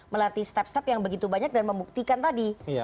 melatih step step yang begitu banyak dan membuktikan tadi